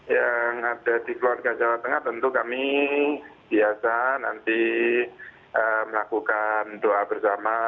yang ada di keluarga jawa tengah tentu kami biasa nanti melakukan doa bersama